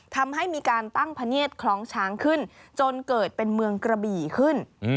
ทำให้มีการตั้งพะเนียดคล้องช้างขึ้นจนเกิดเป็นเมืองกระบี่ขึ้น